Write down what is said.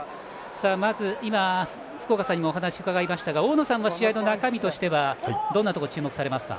今、福岡さんにもお話を伺いましたが大野さんは試合の中身どこに注目されますか。